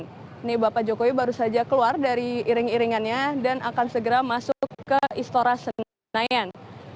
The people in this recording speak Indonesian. ini bapak jokowi baru saja keluar dari iring iringannya dan akan segera masuk ke istora senayan